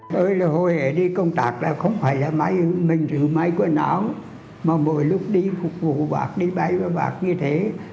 tôi là hồi hề đi công tác là không phải là mình rửa máy của nó mà mỗi lúc đi phục vụ bác đi bay với bác như thế